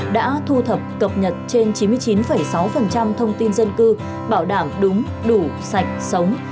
đã thu thập cập nhật trên chín mươi chín sáu thông tin dân cư bảo đảm đúng đủ sạch sống